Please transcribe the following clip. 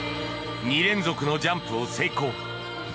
２連続のジャンプを成功。